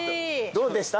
どうでした？